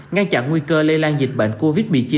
ngăn chặn nguy cơ lây lan dịch bệnh covid một mươi chín